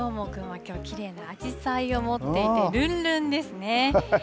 どーもくんは、きょう、きれいなアジサイを持っていて、るんるんですね。